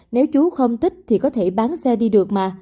nếu chú không thích thì có thể bán xe đi được mà